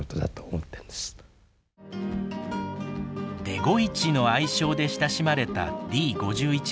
デゴイチの愛称で親しまれたＤ５１形。